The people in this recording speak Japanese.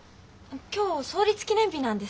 今日創立記念日なんです。